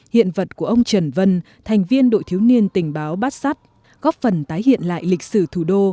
hiện vật của ông trần vân thành viên đội thiếu niên tình báo bát sát góp phần tái hiện lại lịch sử thủ đô